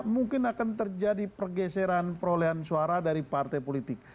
mungkin akan terjadi pergeseran perolehan suara dari partai politik